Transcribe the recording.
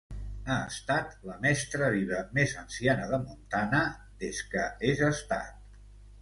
Ha estat la mestra viva més anciana de Montana des que és Estat.